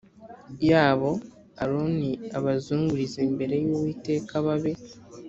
yabo aroni abazungurize imbere y uwiteka babe